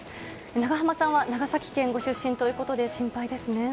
長濱さんは長崎県ご出身ということで心配ですね。